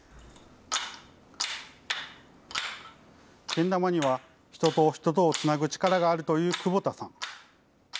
けん玉には、人と人とをつなぐ力があるという窪田さん。